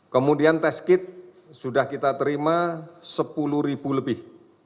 kemudian tes kit sudah kita terima sepuluh ribu lebih